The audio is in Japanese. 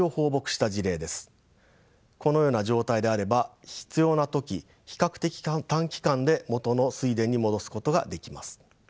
このような状態であれば必要な時比較的短期間で元の水田に戻すことができます。